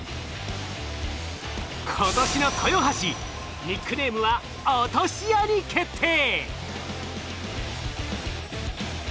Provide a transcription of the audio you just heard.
今年の豊橋ニックネームは「落とし屋」に決定！